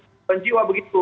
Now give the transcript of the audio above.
dan penjiwa begitu